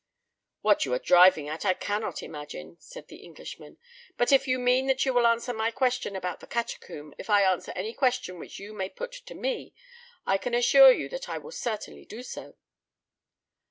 "What you are driving at I cannot imagine," said the Englishman, "but if you mean that you will answer my question about the catacomb if I answer any question which you may put to me I can assure you that I will certainly do so."